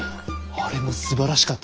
あれもすばらしかったです！